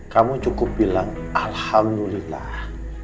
kamu cukup bilang alhamdulillah